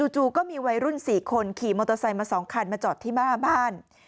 จู่ก็มีวัยรุ่น๔คนขี่มอเตอร์ไซค์มา๒คันมาจอดที่หน้าบ้าน